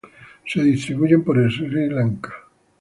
Se distribuyen por Sri Lanka.